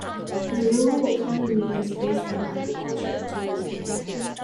The rural economy is based on agriculture and tourism.